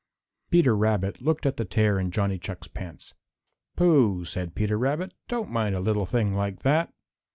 Peter Rabbit looked at the tear in Johnny Chuck's pants. "Pooh!" said Peter Rabbit, "don't mind a little thing like that."